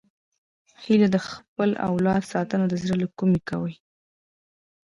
هیلۍ د خپل اولاد ساتنه د زړه له کومي کوي